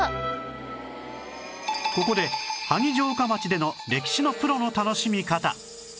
ここで萩城下町での歴史のプロの楽しみ方